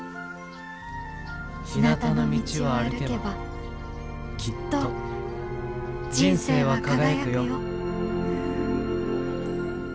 ひなたの道を歩けばきっと人生は輝くよ」。